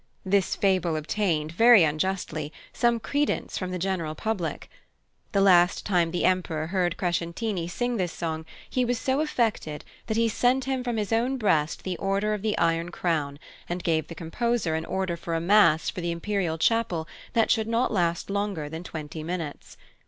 This fable obtained, very unjustly, some credence from the general public. The last time the Emperor heard Crescentini sing this song he was so affected that he sent him from his own breast the Order of the Iron Crown, and gave the composer an order for a Mass for the Imperial Chapel that should not last longer than twenty minutes.